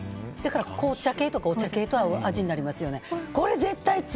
紅茶系とかお茶系と合う味になりますよね。